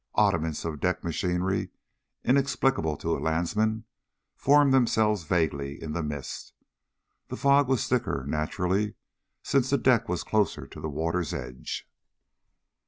Oddments of deck machinery, inexplicable to a landsman, formed themselves vaguely in the mist. The fog was thicker, naturally, since the deck was closer to the water's edge.